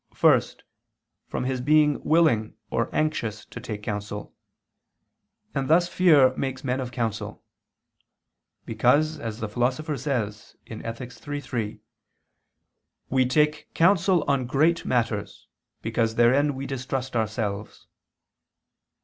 First, from his being willing or anxious to take counsel. And thus fear makes men of counsel. Because, as the Philosopher says (Ethic. iii, 3), "we take counsel on great matters, because therein we distrust ourselves."